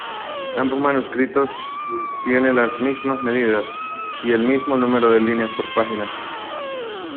Ambos manuscritos tiene las mismas medidas, y el mismo número de líneas por página.